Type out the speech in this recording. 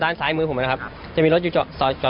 ด้านซ้ายมือผมนะครับจะมีรถจะยอดจอดในสองคัน